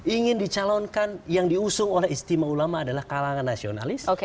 ingin dicalonkan yang diusung oleh istimewa ulama adalah kalangan nasionalis